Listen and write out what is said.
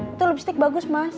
itu lipstick bagus mas